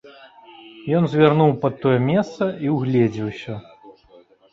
Ён звярнуў пад тое месца і ўгледзеўся.